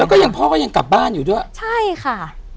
แล้วก็ยังพ่อก็ยังกลับบ้านอยู่ด้วยใช่ค่ะ